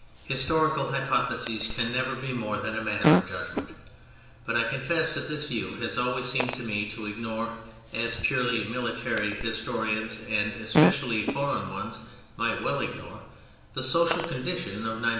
Historical hypothesis can never he more than a matter of judgment, but I confers that this view has always seemed to me to ignore — as purely military historians and especi ally foreign ones might well ignore — the social condition of ^^*93.